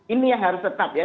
ini yang harus tetap ya